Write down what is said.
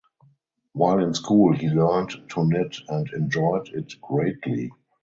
While in school he learned to knit and enjoyed it greatly.